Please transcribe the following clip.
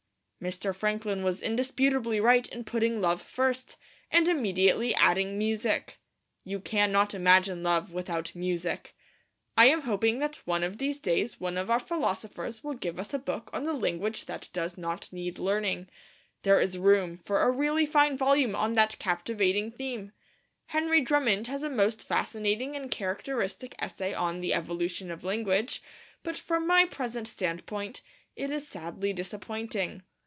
Mr. Franklin was indisputably right in putting Love first, and immediately adding Music. You cannot imagine Love without Music. I am hoping that one of these days one of our philosophers will give us a book on the language that does not need learning. There is room for a really fine volume on that captivating theme. Henry Drummond has a most fascinating and characteristic essay on The Evolution of Language; but from my present standpoint it is sadly disappointing.